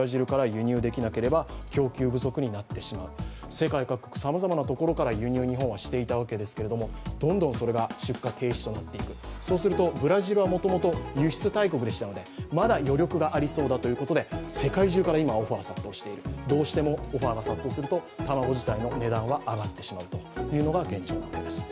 世界各国さまざまなところから日本は輸入していたんですけど、どんどんそれが出荷停止となっていく、そうするとブラジルは元々輸出大国でしたのでまだ余力がありそうだということで、世界中から今オファーが殺到している、どうしてもオファーが殺到すると卵自体の値段は上がってしまうというのが現状です。